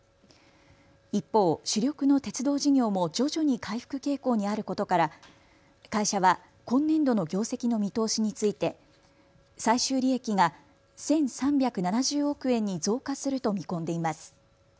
一方、主力の鉄道事業も徐々に回復傾向にあることから会社は今年度の業績の見通しについて最終利益が１３７０億円に増加すると見込んでいます。